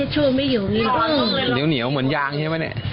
เหนียวเหมือนยางใช่ไหมเนี่ย